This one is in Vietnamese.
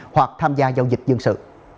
hoặc tham gia giao dịch dân sự